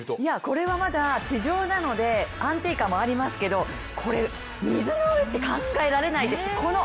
これはまだ地上なので安定感もありますけどこれ水の上って考えられないです。